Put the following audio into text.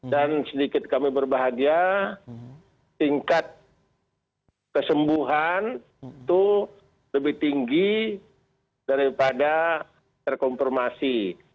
dan sedikit kami berbahagia tingkat kesembuhan itu lebih tinggi daripada terkompromasi